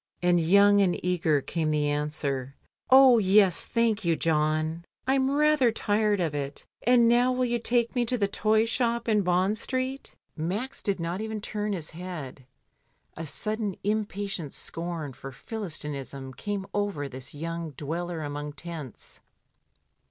And young and eager came the answer, "Oh, yes, thank you, John, Fm rather tired of it, and now will you take me to the toy shop in Bond Street?" Max did not even turn his head, a sudden im patient scorn for Philistinism came over this young dweller among tents.